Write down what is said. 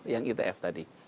yang itf tadi